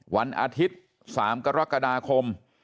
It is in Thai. วันอาทิตย์๓กรกฎาคม